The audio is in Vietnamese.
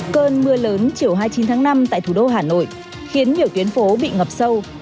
cơn mưa lớn chiều hai mươi chín tháng năm tại thủ đô hà nội khiến nhiều tuyến phố bị ngập sâu